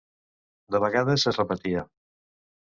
De vegades es repetia.